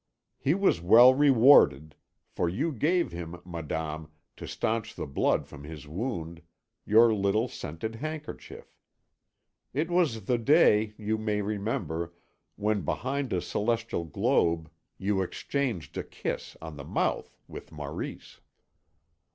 He was well rewarded, for you gave him, Madame, to staunch the blood from his wound, your little scented handkerchief. It was the day, you may remember, when behind a celestial globe you exchanged a kiss on the mouth with Maurice."